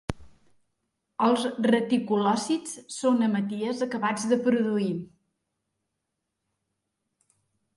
Els reticulòcits són hematies acabats de produir.